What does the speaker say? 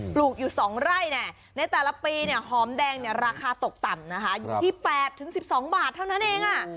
ปลูกอยู่สองไร่เนี่ยในแต่ละปีเนี่ยหอมแดงเนี่ยราคาตกต่ำนะคะอยู่ที่แปดถึงสิบสองบาทเท่านั้นเองอ่ะ